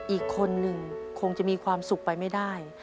อีกคนนึงคงจะมีความสุขไปไม่ได้